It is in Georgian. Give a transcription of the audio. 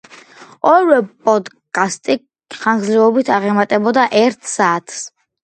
ორივე პოდკასტი ხანგრძლივობით აღემატებოდა ერთ საათს.